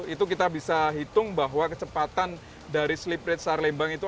itu kita bisa hitung bahwa kecepatan dari slip rate sesar lembang itu